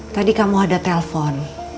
tadi kamu ada telpon